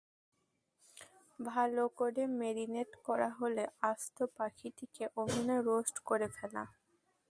ভালো করে মেরিনেড করা হলে আস্ত পাখিটিকে ওভেনে রোস্ট করে ফেলা।